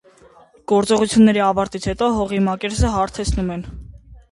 Գործողութոյւնների ավարտից հետո հողի մակերեսը հարթեցնում են։